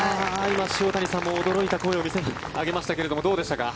今、塩谷さんも驚いた声も上げましたがどうでしたか？